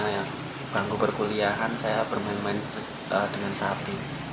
yang bangku perkuliahan saya bermain main dengan sapi